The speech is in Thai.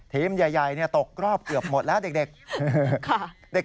ทีมใหญ่ตกรอบเกือบหมดแล้วเด็ก